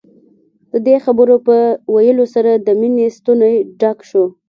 د دې خبرو په ويلو سره د مينې ستونی ډک شو.